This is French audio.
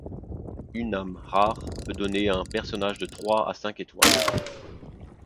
Une âme rar, peut donner un personnage de trois à cinq étoiles.